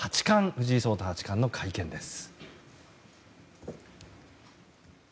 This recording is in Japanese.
藤井聡太八冠の会見です。